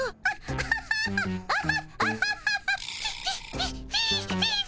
アハハハハ。